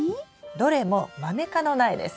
どれもマメ科の苗です。